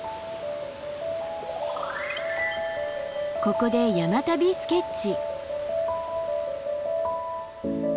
ここで「山旅スケッチ」。